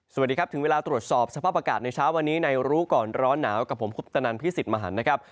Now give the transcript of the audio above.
สวัสดีครับถึงเวลาตรวจสอบสภาพอากาศในเช้าวันนี้ในรู้ก่อนร้อนหนาวกับผมคุปตนันพี่สิทธิ์มหันนะครับ